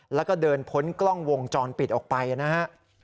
แล้วก็เดินพ้นกล้องวงจรปิดออกไปนะฮะ